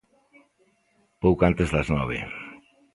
Pouco antes das nove.